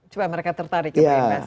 coba mereka tertarik ya